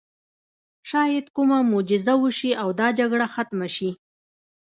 شاید کومه معجزه وشي او دا جګړه ختمه شي